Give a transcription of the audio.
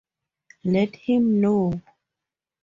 Let him know.